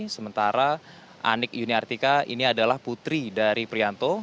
sementara anik yuni artika ini adalah putri dari prianto